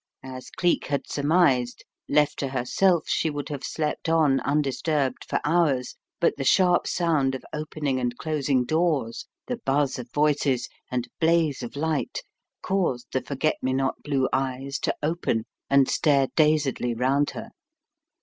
As Cleek had surmised, left to herself, she —* would have slept on undisturbed for hours, but the sharp sound of opening and closing doors, the buzz of voices, and blaze of light, caused the forget me not blue eyes to open and stare dazedly round her.